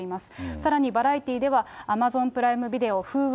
さらにバラエティーでは、アマゾンプライムビデオ、風雲！